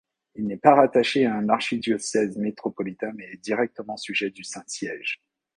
Il n'est pas rattaché à un archidiocèse métropolitain mais est directement sujet du Saint-Siège.